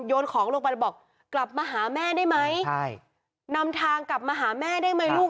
โยนของลงไปบอกกลับมาหาแม่ได้ไหมใช่นำทางกลับมาหาแม่ได้ไหมลูก